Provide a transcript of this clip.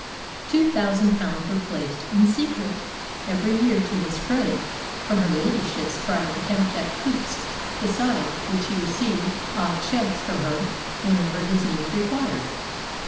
Two thousand pounds were placed, in secret, every year to his credit from her ladyship's private account at Coutts's, besides which he received odd cheques from her whenever his needs required.